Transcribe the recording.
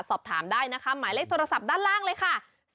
สอบถามได้นะคะหมายเลขโทรศัพท์ด้านล่างเลยค่ะ